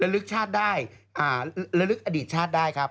และลึกอดีตชาติได้ครับ